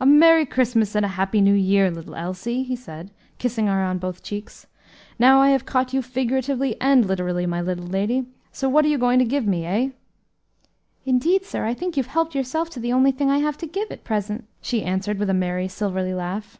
"'A merry Christmas and a happy New Year!' little Elsie," he said, kissing her on both cheeks. "Now I have caught you figuratively and literally, my little lady, so what are you going to give me, eh?" "Indeed, sir, I think you've helped yourself to the only thing I have to give at present," she answered with a merry silvery laugh.